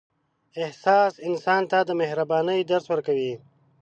احساس انسان ته د مهربانۍ درس ورکوي.